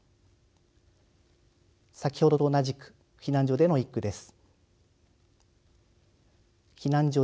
先ほどと同じく避難所での一句です。